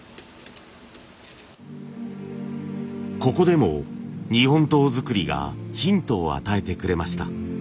ここでも日本刀づくりがヒントを与えてくれました。